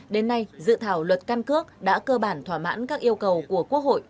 đến nay dự thảo luật căn cước đã cơ bản thỏa mãn các yêu cầu của quốc hội